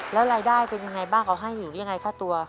แล้วรายได้เป็นอย่างไรบ้างเขาให้อยู่ได้อย่างไรค่ะตัว